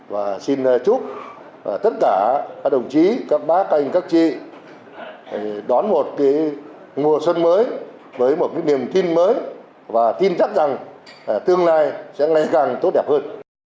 và xin chúc tất cả các đồng chí các bác các anh các chị đón một mùa xuân mới với một niềm tin mới và tin chắc rằng tương lai sẽ ngày càng tốt đẹp hơn